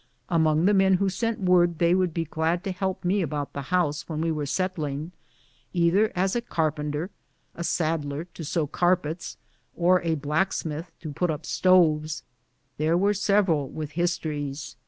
Among the men who sent word they would be glad to help me about the house when we were settling — either as a carpenter, a saddler to sew carpets, or a blacksmith to put up stoves — there were several with histories.